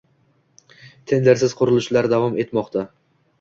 Tendersiz qurilishlar davom etmoqdang